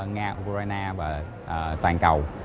nga ukraine và toàn cầu